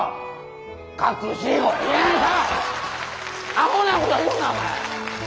あほなこと言うなお前！